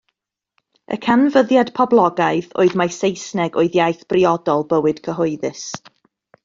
Y canfyddiad poblogaidd oedd mai Saesneg oedd iaith briodol bywyd cyhoeddus.